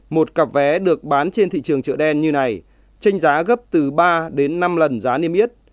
một cặp vé được bán trên thị trường chợ đen như này tranh giá gấp từ ba đến năm lần giá niêm yết